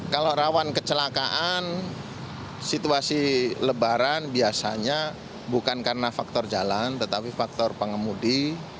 kalau rawan kecelakaan situasi lebaran biasanya bukan karena faktor jalan tetapi faktor pengemudi